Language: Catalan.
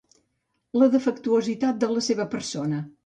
La defectuositat de la seva persona.